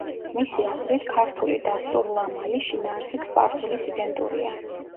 მისი აზრით, ქართული დასტურლამალი შინაარსით სპარსულის იდენტურია.